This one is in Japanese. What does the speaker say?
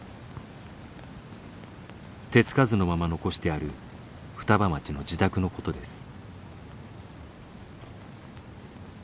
手付かずのまま残してある双葉町の自宅のことです。